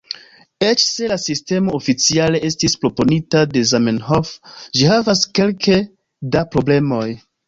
Eĉ se la sistemo oficiale estis proponita de Zamenhof, ĝi havas kelke da problemoj.